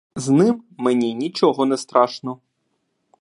З ним мені нічого не страшно.